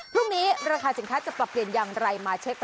พรุ่งนี้ราคาสินค้าจะปรับเปลี่ยนอย่างไรมาเช็ค